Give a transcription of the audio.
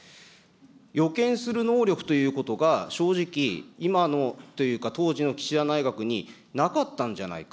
予見する能力ということが正直、今のというか、当時の岸田内閣になかったんじゃないか。